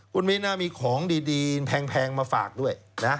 คุณมิ้นมีของดีแพงมาฝากด้วยนะ